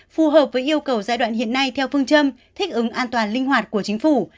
phù hợp với yêu cầu giai đoạn hiện nay theo phương châm thích ứng an toàn linh hoạt của chính phủ